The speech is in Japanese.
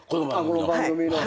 この番組の。